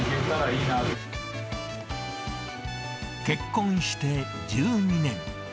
結婚して１２年。